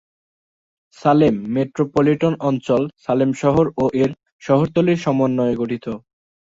Salem metropolitan অঞ্চল সালেম শহর ও এর শহরতলির সমন্বয়ে গঠিত।